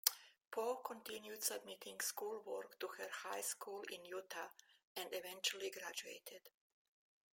Poe continued submitting schoolwork to her high school in Utah and eventually graduated.